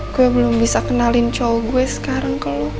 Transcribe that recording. gue belum bisa kenalin cowok gue sekarang ke lo